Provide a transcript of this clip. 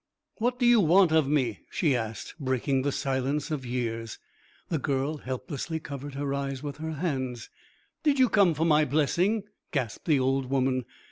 'What do you want of me?' she asked, breaking the silence of years. The girl helplessly covered her eyes with her hands. 'Did you come for my blessing?' gasped the old woman.